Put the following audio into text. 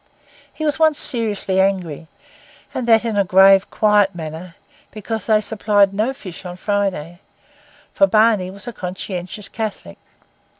He was once seriously angry, and that in a grave, quiet manner, because they supplied no fish on Friday; for Barney was a conscientious Catholic.